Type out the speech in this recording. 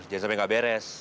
jangan sampai gak beres